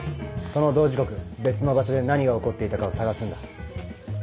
その同時刻別の場所で何が起こっていたかを探すんだ。